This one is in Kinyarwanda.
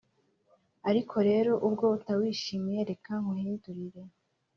Ariko rero ubwo utawishimiye reka nkuhindurire,